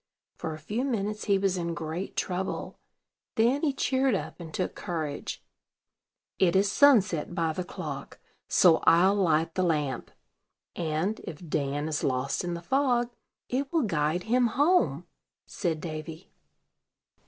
For a few minutes he was in great trouble; then he cheered up, and took courage. "It is sunset by the clock; so I'll light the lamp, and, if Dan is lost in the fog, it will guide him home," said Davy.